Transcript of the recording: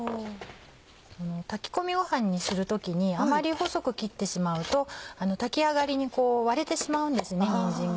この炊き込みごはんにする時にあまり細く切ってしまうと炊き上がりに割れてしまうんですねにんじんが。